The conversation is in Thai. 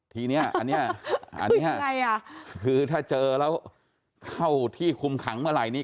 ทีนี้อันนี้คือถ้าเจอแล้วเข้าที่คุมขังเมลัยนี้